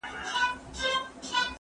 هغه څوک چې اوبه څښي روغ وي!؟